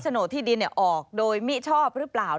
โหนดที่ดินออกโดยมิชอบหรือเปล่า